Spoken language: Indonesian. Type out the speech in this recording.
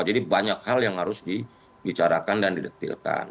jadi banyak hal yang harus dibicarakan dan didetailkan